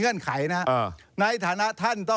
นี่นี่นี่นี่นี่